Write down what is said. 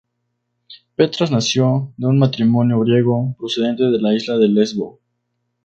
Petras nació de un matrimonio griego, procedente de la isla de Lesbos.